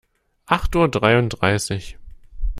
Acht Uhr dreiunddreißig.